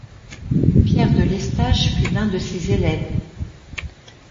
Pierre de L'Estache fut l'un de ses élèves.